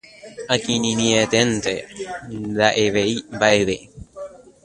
Akirirĩeténte, nda'evéi mba'eve